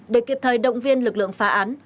để kịp thời động viên lực lượng phá án